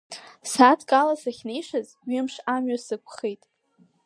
Сааҭк ала сахьнеишаз, ҩымш амҩа сықәхеит.